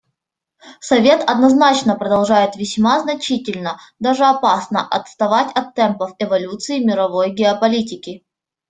Совет однозначно продолжает весьма значительно, даже опасно, отставать от темпов эволюции мировой геополитики.